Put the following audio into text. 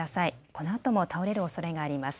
このあとも倒れるおそれがあります。